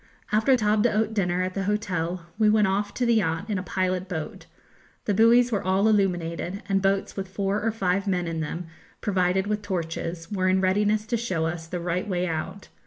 After table d'hôte dinner at the hotel we went off to the yacht in a pilot boat; the buoys were all illuminated, and boats with four or five men in them, provided with torches, were in readiness to show us the right way out.